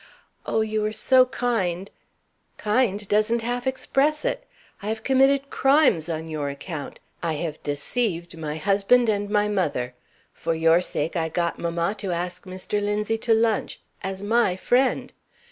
"Oh, you were so kind " "Kind doesn't half express it. I have committed crimes on your account. I have deceived my husband and my mother. For your sake I got mamma to ask Mr. Linzie to lunch (as my friend!).